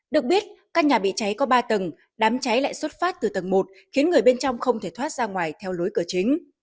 được biết căn nhà bị cháy có ba tầng đám cháy lại xuất phát từ tầng một khiến người bên trong không thể thoát ra ngoài theo lối cửa chính